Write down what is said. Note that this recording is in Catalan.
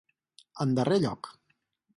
En darrer lloc.